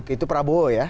itu prabowo ya